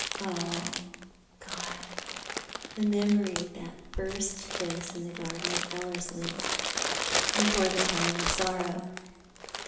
Oh, God! the memory of that first kiss in the garden at Ellerslie, before the coming of sorrow.